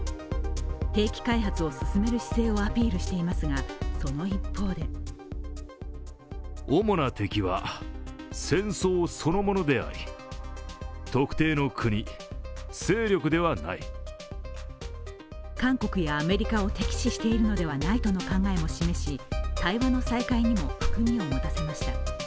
兵器開発を進める姿勢をアピールしていますが、その一方で韓国やアメリカを敵視しているのではないとの考えも示し対話の再開にも含みを持たせました。